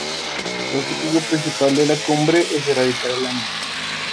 El objetivo principal de la Cumbre es erradicar el hambre.